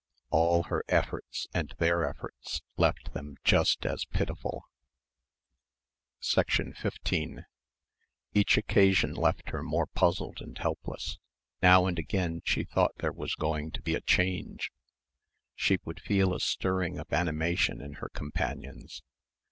All her efforts and their efforts left them just as pitiful. 15 Each occasion left her more puzzled and helpless. Now and again she thought there was going to be a change. She would feel a stirring of animation in her companions.